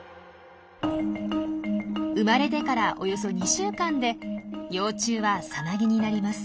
生まれてからおよそ２週間で幼虫はさなぎになります。